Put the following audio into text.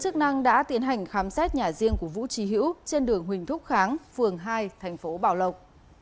cả riêng của vũ trí hữu trên đường huỳnh thúc kháng phường hai thành phố bảo lộc